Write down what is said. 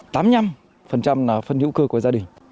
tám mươi năm là phân hữu cơ của gia đình